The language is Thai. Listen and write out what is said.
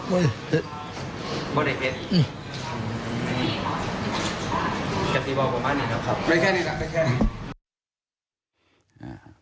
ไม่แค่นี้นะไม่แค่นี้